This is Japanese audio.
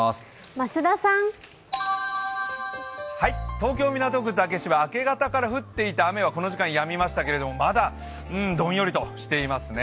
東京・港区竹芝明け方から降っていた雨はこの時間やみましたけれどもまだどんよりとしていますね。